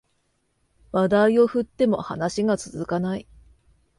話題を振っても話が続かない